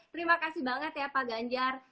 terima kasih banget ya pak ganjar